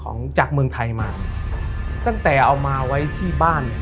ของจากเมืองไทยมาตั้งแต่เอามาไว้ที่บ้าน